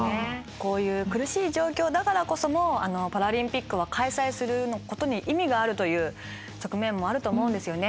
こういう苦しい状況だからこそパラリンピックは開催することに意味があるという側面もあると思うんですよね。